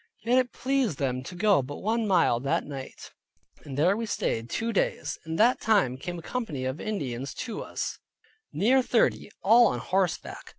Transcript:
Yet it pleased them to go but one mile that night, and there we stayed two days. In that time came a company of Indians to us, near thirty, all on horseback.